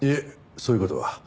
そういう事は。